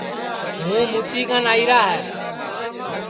ہوں مُتی کن آئیرا ہے